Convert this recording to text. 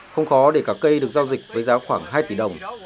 không khó để cả cây được giao dịch với giá khoảng hai tỷ đồng